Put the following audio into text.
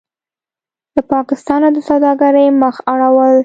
له پاکستانه د سوداګرۍ مخ اړول: